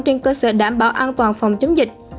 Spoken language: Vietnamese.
trên cơ sở đảm bảo an toàn phòng chống dịch